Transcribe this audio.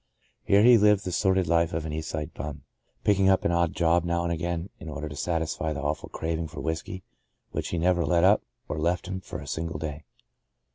Here he lived the sordid life of an East Side *'bum" — picking up an odd job now and again, in order to satisfy the awful craving for whiskey, which never let up or left him for a single day.